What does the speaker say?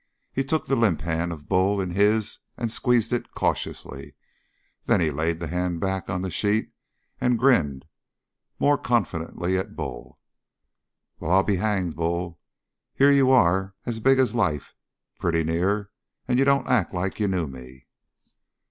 He took the limp hand of Bull in his and squeezed it cautiously. Then he laid the hand back on the sheet and grinned more confidently at Bull. "Well, I'll be hanged, Bull, here you are as big as life, pretty near, and you don't act like you knew me!"